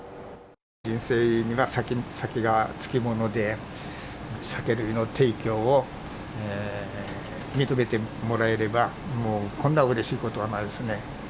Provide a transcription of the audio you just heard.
人生には酒がつきもので、酒類の提供を認めてもらえれば、もうこんなうれしいことはないですね。